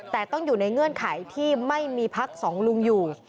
แต่ต้องอยู่ในเงื่อนไขที่ไม่มีพักสองลุงอยู่